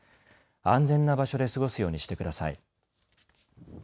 安全な場所で過ごすようにしてください。